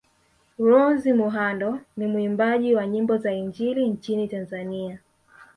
Rose Muhando ni muimbaji wa nyimbo za injili nchini Tanzania